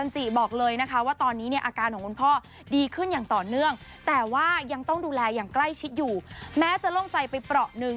ก็เลยขออัปเดตหน่อยว่า